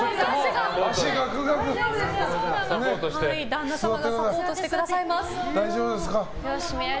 旦那様がサポートしてくださいます。